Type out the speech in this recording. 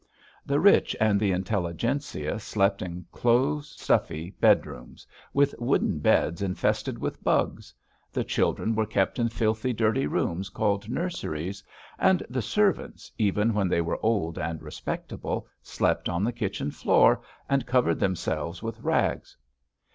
The rich and the intelligentsia slept in close, stuffy bedrooms, with wooden beds infested with bugs; the children were kept in filthy, dirty rooms called nurseries, and the servants, even when they were old and respectable, slept on the kitchen floor and covered themselves with rags.